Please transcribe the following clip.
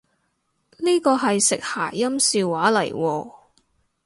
呢個係食諧音笑話嚟喎？